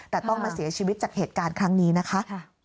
แต่ต้องมาเสียชีวิตจากเหตุการณ์ครั้งนี้นะคะ